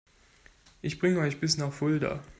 Ich bringe euch bis nach Fulda